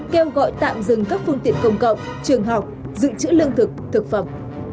kêu gọi tạm dừng các phương tiện công cộng trường học dự trữ lương thực thực phẩm